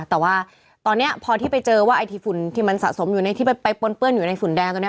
แต่ว่าตอนนี้พอที่ไปเจอว่าไอ้ที่ฝุ่นที่มันสะสมอยู่ในที่ไปปนเปื้อนอยู่ในฝุ่นแดงตรงนี้